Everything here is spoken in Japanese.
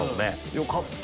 よかった。